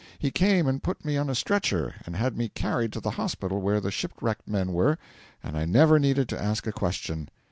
He came and put me on a stretcher and had me carried to the hospital where the shipwrecked men were, and I never needed to ask a question.